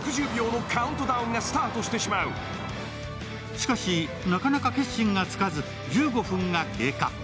しかし、なかなか決心がつかず１５分が経過。